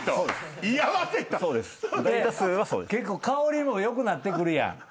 結構香りも良くなってくるやん。